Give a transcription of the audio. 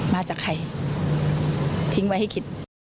มาจากใครทิ้งไว้ให้คิด